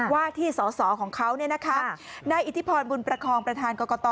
ว่าที่สอสอของเขานายอิทธิพรบุญประคองประธานกรกต